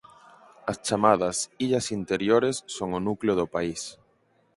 As chamadas "Illas Interiores" son o núcleo do país.